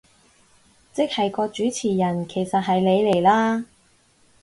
即係個主持人其實係你嚟啦